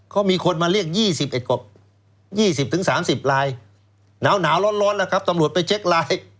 ก็มีคนมาเรียก๒๐๓๐ไลน์หนาวร้อนตำรวจไปเช็คไลน์